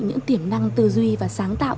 những tiềm năng tư duy và sáng tạo